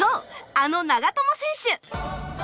あの長友選手！